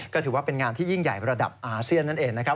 ก็ถือว่าเป็นงานที่ยิ่งใหญ่ระดับอาเซียนนั่นเองนะครับ